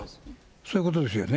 そういうことですよね。